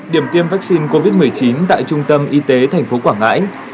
điểm tiêm vaccine covid một mươi chín tại trung tâm y tế tp quảng ngãi